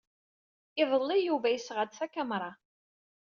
Iḍelli, Yuba yesɣa-d takamra.